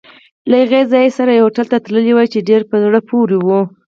له هغې سره یوځای هوټل ته تللی وای، چې ډېر په زړه پورې وو.